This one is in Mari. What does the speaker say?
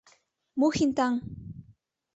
Мухин таҥ!